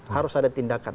harus ada tindakan